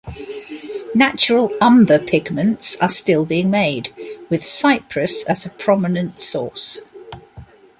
Natural umber pigments are still being made, with Cyprus as a prominent source.